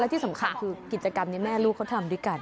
ที่สำคัญคือกิจกรรมนี้แม่ลูกเขาทำด้วยกัน